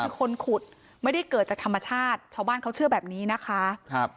คือคนขุดไม่ได้เกิดจากธรรมชาติชาวบ้านเขาเชื่อแบบนี้นะคะครับ